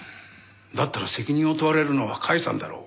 だったら責任を問われるのは甲斐さんだろう。